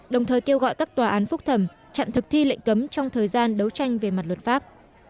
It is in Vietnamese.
đồng thời kêu gọi các tòa án phúc thẩm chặn thực thi lệnh cấm trong thời gian đấu tranh về mặt luật pháp